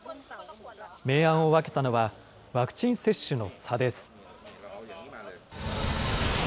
明暗を分けたのは、ワクチン接種の差です。